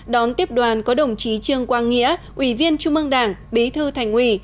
đón tiếp đoàn có đồng chí trương quang nghĩa ủy viên trung ương đảng bí thư thành ủy